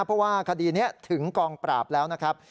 เพราะว่าคดีนี้ถึงกองปราบแล้วนะครับ